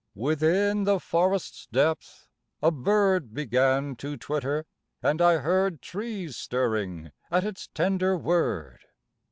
Within the forest's depth a bird Began to twitter, and I heard Trees stirring at its tender word.